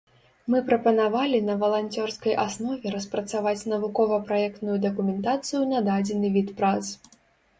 Мы прапанавалі на валанцёрскай аснове распрацаваць навукова-праектную дакументацыю на дадзены від прац.